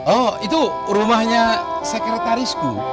oh itu rumahnya sekretarisku